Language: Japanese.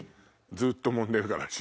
ずっともんでるから。